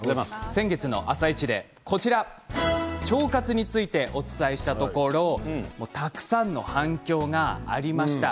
先月の「あさイチ」で腸活についてお伝えしたところたくさんの反響がありました。